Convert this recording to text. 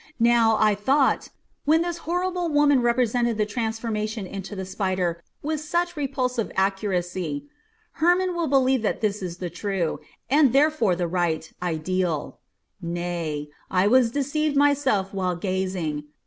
Now, I thought, when this horrible woman represented the transformation into the spider with such repulsive accuracy, Hermon will believe that this is the true, and therefore the right, ideal; nay, I was deceived myself while gazing.